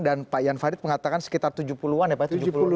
dan pak yan fadli mengatakan sekitar tujuh puluh an ya pak